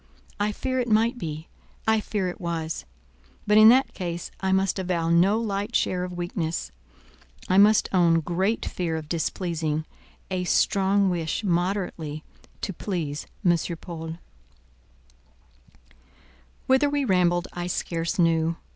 I fear it might be; I fear it was; but in that case I must avow no light share of weakness. I must own great fear of displeasing—a strong wish moderately to please M. Paul. Whither we rambled, I scarce knew.